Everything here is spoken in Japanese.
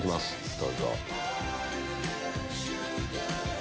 どうぞ。